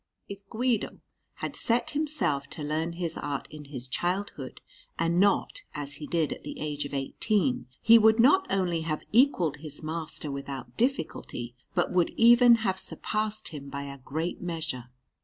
If Guido had set himself to learn his art in his childhood, and not, as he did, at the age of eighteen, he would not only have equalled his master without difficulty, but would even have surpassed him by a great measure.